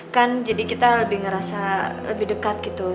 kan jadi kita lebih ngerasa lebih dekat gitu